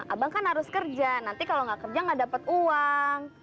abang kan harus kerja nanti kalau nggak kerja nggak dapat uang